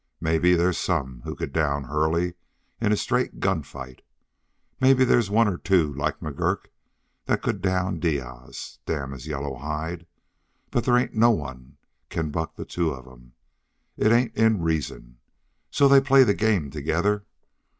Maybe there's some who could down Hurley in a straight gunfight; maybe there's one or two like McGurk that could down Diaz damn his yellow hide but there ain't no one can buck the two of 'em. It ain't in reason. So they play the game together.